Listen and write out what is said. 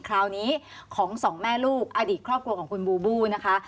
คราวนี้ของสองแม่ลูกอดีตครอบครัวของคุณบูบูนะคะ